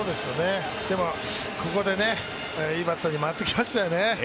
でも、ここでいいバッターに回ってきましたよね。